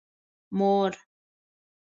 مور